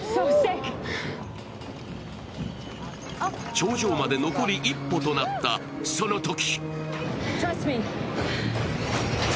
頂上まで残り一歩となったそのとき。